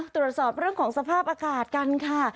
ตรวจสอบเรื่องของสภาพอากาศกันค่ะ